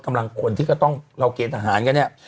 กำลังคนที่ก็ต้องเราเกณฑหารกันเนี่ย